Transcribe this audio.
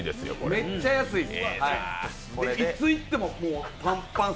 めっちゃ安いっす。